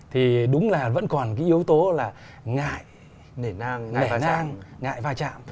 thì đúng là vẫn còn cái yếu tố là ngại nể nang ngại va chạm